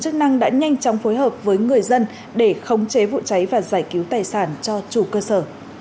chức năng đã nhanh chóng phối hợp với người dân để khống chế vụ cháy và giải cứu tài sản cho chủ cơ sở